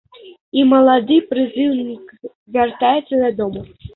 І малады прызыўнік вяртаецца дадому.